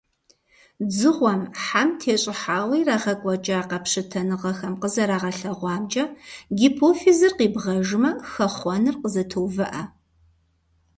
Дзыгъуэм, хьэм тещӀыхьауэ ирагъэкӀуэкӀа къэпщытэныгъэхэм къызэрагъэлъэгъуамкӀэ, гипофизыр къибгъэжмэ, хэхъуэныр къызэтоувыӀэ.